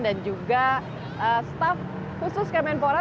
dan juga staff khusus kemenpora